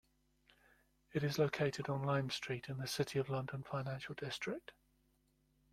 It is located on Lime Street in the City of London financial district.